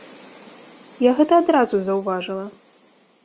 Я гэта адразу заўважыла.